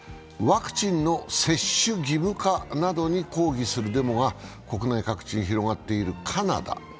ワクチンの接種義務化などに抗議するデモが国内各地に広がっているカナダ。